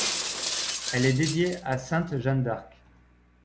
Elle est dédiée à sainte Jeanne d’Arc.